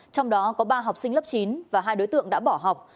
trong đó có ba học sinh lớp chín và hai đối tượng đã bỏ học